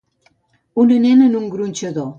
Una nena en un gronxador.